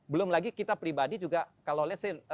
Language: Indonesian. belum lagi kita pribadi juga kalau lihat